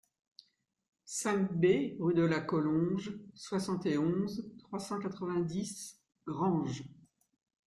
cinq B rue de la Collonge, soixante et onze, trois cent quatre-vingt-dix, Granges